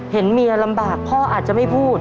เห็นเมียลำบากพ่ออาจจะไม่พูด